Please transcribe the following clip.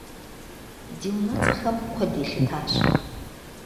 Ди унэцӀэхэм куэд елъытащ.